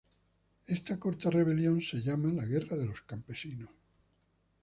Esta corta rebelión es llamada la Guerra de los campesinos.